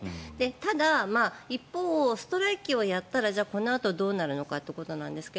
ただ一方、ストライキをやったらこのあとどうなるのかということなんですが